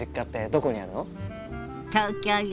東京よ。